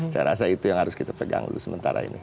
saya rasa itu yang harus kita pegang dulu sementara ini